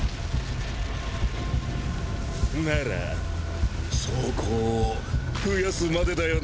なら装甲を増やすまでだよな。